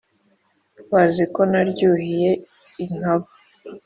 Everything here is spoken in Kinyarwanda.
Bazi ko naryuhiye inkaba